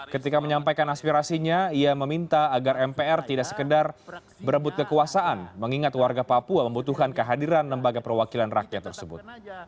ketika menyampaikan aspirasinya ia meminta agar mpr tidak sekedar berebut kekuasaan mengingat warga papua membutuhkan kehadiran lembaga perwakilan rakyat tersebut